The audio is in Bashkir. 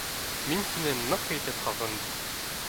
Мин һине ныҡ итеп һағындым.